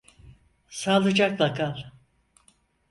Sağlıcakla kal.